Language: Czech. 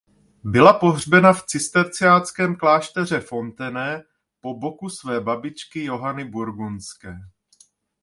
Byla pohřbena v cisterciáckém klášteře Fontenay po boku své babičky Johany Burgundské.